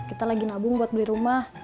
kita lagi nabung buat beli rumah